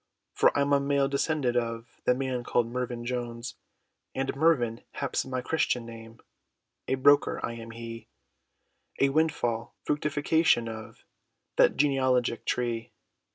For I'm a male descendant, of The man, called Mervyn Jones! And Mervyn, haps my christian name, A broker, I am he, A windfall fructifaction, of That genealogic tree.